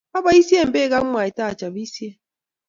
Aboisie pek ak mwaita achopisie